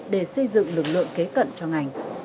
để xây dựng lực lượng kế cận cho ngành